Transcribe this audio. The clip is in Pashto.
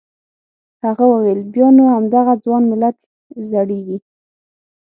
هغه وویل بیا نو همدغه ځوان ملت زړیږي.